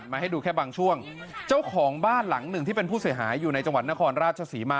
หมาก็จะเห่าครับ